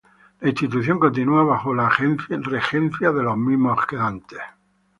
La institución continúa bajo la regencia de los Jesuitas.